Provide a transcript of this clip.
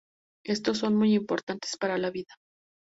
Estos son muy importantes para la vida.